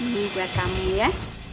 nih buat kamu ya